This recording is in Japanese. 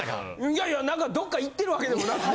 いやいやなんかどっか行ってるわけでもなく。